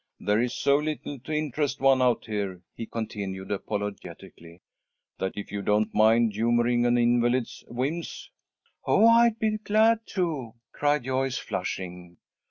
There is so little to interest one out here," he continued, apologetically, "that if you don't mind humouring an invalid's whims " "Oh, I'd be glad to," cried Joyce, flushing.